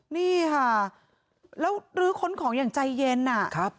นี่ค่ะแล้วในขนของอย่างใจเย็นอ่ะ